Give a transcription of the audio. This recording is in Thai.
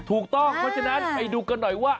ถูกต้องเพราะฉะนั้นไปดูกันหน่อยว่า